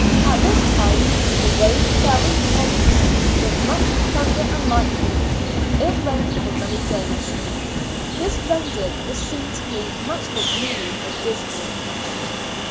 At this time the rain fell in torrents, with much thunder and lightning ; it rained for many 20 Two Years and Four Months claj^s. This reudered the scene to me much more gloomy and dismal.